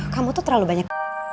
kamu tuh terlalu banyak